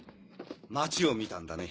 街を見たんだね。